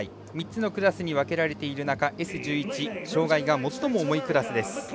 ３つのクラスに分けられている中Ｓ１１障がいが最も重いクラスです。